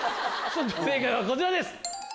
正解はこちらです。